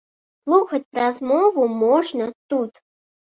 Слухаць размову можна тут.